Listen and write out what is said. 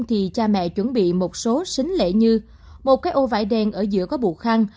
thì cha mẹ chuẩn bị một số xính lễ như một cái ô vải đen ở giữa có bột khăng